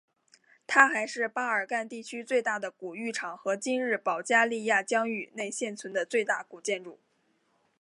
它还是巴尔干地区最大的古浴场和今日保加利亚疆域内现存的最大古建筑。